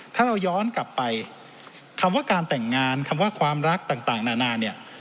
ถ้าเราย้อนกลับไปคำว่าการแต่งงานคำว่าความรักต่างนานาเนี่ย